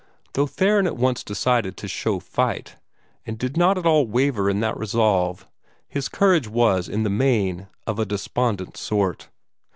Though Theron at once decided to show fight, and did not at all waver in that resolve, his courage was in the main of a despondent sort.